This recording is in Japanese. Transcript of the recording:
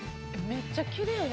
めっちゃきれい！